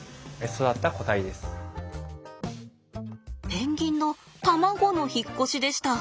ペンギンの卵の引っ越しでした。